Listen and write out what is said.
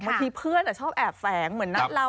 บางทีเพื่อนชอบแอบแฝงเหมือนนัดเรา